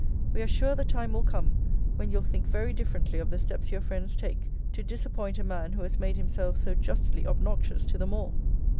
We are sure the time will come, when you'll think very differently of the steps your friends take to disappoint a man who has made himself so justly obnoxious to them all.